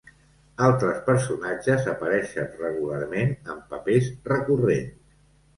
Altres personatges apareixen regularment en papers recurrents.